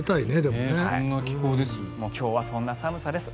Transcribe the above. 今日はそんな寒さです。